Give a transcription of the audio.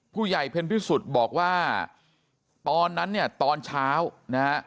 ผู้ใหญ่เพ็ญพิสุทธิ์บอกว่าตอนนั้นเนี่ยตอนเช้านะฮะ